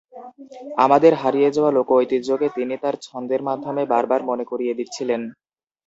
আমাদের হারিয়ে যাওয়া লোক-ঐতিহ্যকে তিনি তাঁর ছন্দের মাধ্যমে বারবার মনে করিয়ে দিচ্ছিলেন।